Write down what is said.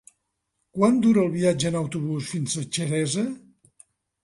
Quant dura el viatge en autobús fins a Xeresa?